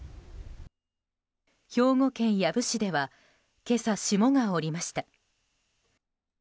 兵庫県養父市では今朝、霜が降りました。